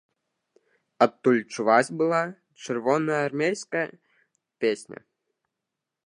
Адтуль чуваць была чырвонаармейская песня.